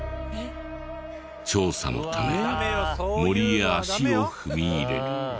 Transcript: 調査のため森へ足を踏み入れる。